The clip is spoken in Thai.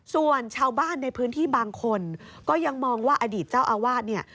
ส่วนชาวบ้านในพื้นที่บางคนก็ยังมองว่าอดีตเจ้าอาวาสเนี่ย